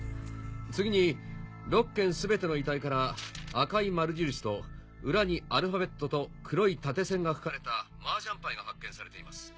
次に６件全ての遺体から赤い丸印と裏にアルファベットと黒い縦線が書かれたマージャンパイが発見されています。